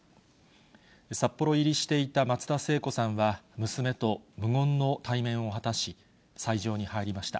札幌入りしていた松田聖子さんは、娘と無言の対面を果たし、斎場に入りました。